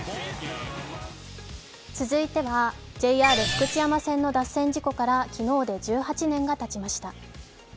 続いてはＪＲ福知山線の脱線事故から昨日で１８年がたちました。